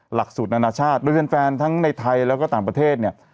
หลักสูตรนานาชาติโดยแฟนทั้งในไทยแล้วก็ต่างประเทศเนี่ย